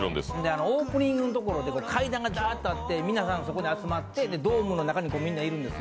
オープニングのところで、階段がばーっとあって、皆さんそこで集まってドームの中にみんないるんですよ。